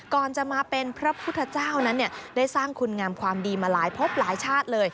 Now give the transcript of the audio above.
ก่อนจะมาเป็นพระพุทธเจ้านั้นได้สร้างคุณงามความดีมาหลายพบหลายชาติเลย